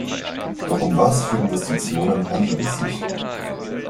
Doch um was für Investitionen handelt es sich?